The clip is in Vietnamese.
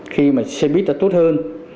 khi mà xe buýt đã tốt hơn